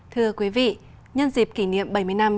thưa quý vị nhân dịp kỷ niệm bảy mươi năm